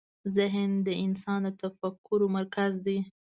ذهن د انسان د تفکر مرکز دی.